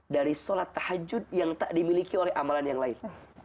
dari sholat tahajud yang tak dimiliki oleh amalan yang lain